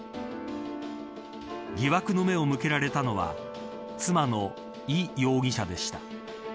疑惑の目を向けられたのは妻のイ容疑者でした。